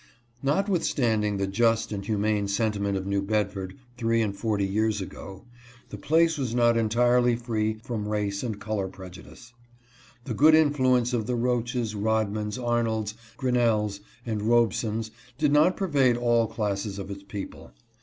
Notwithstanding the just and humane sentiment of New Bedford three and forty years ago, the place was not entirely free from race and color prejudice. The good influence of the Roaches, Rodmans, Arnolds, Grinnells and Robe sons did not pervade all classes of its people.